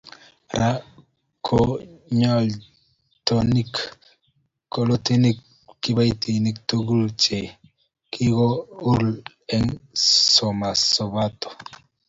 ra ko ng'otoni kolutik kobitei kiboitinik tuguk chekikool eng komosato